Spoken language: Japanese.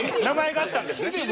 名前があったんですね。